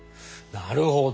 なるほど。